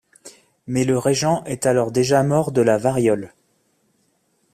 Mais le régent est alors déjà mort de la variole.